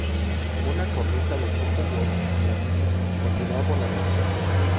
Una cornisa de poco voladizo continúa por los laterales.